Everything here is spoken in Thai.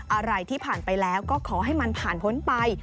อะไรที่ผ่านไปแล้วก็ขอให้มันผ่านพ้นไป